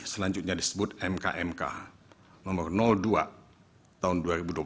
selanjutnya disebut mkmk nomor dua tahun dua ribu dua puluh